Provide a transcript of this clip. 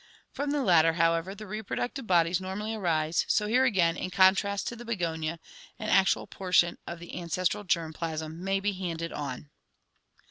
From the latter, however, the reproductive bodies normally arise, so here again, in contrast to the begonia, an actual portion of an cestral germ plasm may be handed on.